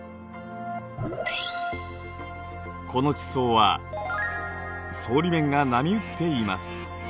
この地層は層理面が波打っています。